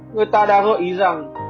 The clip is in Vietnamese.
người ta đã gợi ý rằng